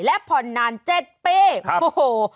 และผ่อนนาน๗ปีโอ้โห